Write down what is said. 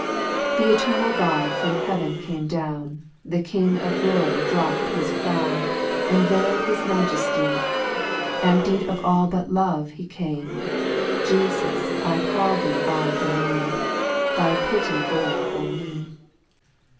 2 Th' eternal God from heav'n came down, The King of glory dropp'd his crown, And veil'd his majefly ; Emptied of all but love, he came, Jesus, I call thee by the name, Thy pity bore for me.